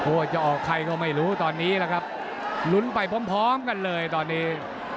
โอ้จะออกใครเขาไม่รู้ตอนนี้ลุ้นไปพร้อมกันเลยตอนนี้